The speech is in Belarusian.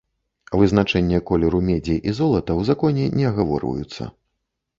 Вызначэнне колеру медзі і золата ў законе не агаворваюцца.